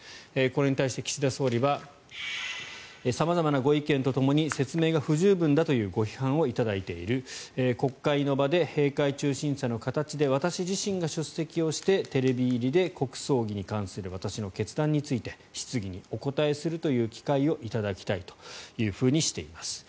これに対して岸田総理は様々なご意見とともに説明が不十分だというご批判をいただいている国会の場で閉会中審査の形で私自身が出席をしてテレビ入りで国葬儀に関する私の決断について質疑にお応えするという機会を頂きたいというふうにしています。